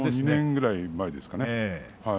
２年くらい前ですかね。